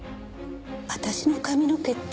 私の髪の毛って。